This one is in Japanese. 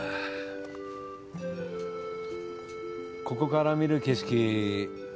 ここから見る景色